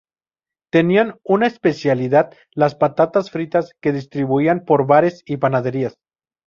Tenían una especialidad, las patatas fritas, que distribuían por bares y panaderías.